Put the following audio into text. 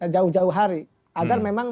jauh jauh hari agar memang